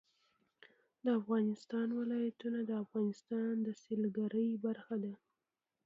د افغانستان ولايتونه د افغانستان د سیلګرۍ برخه ده.